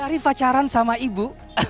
dari pacaran sama ibu